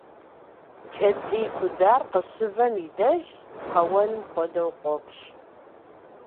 КӀэтӀий кудар къыщывэм и деж къэуэным хуэдэу къопщ.